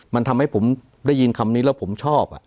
มันทำให้ผมได้ยินคำนี้แล้วผมชอบ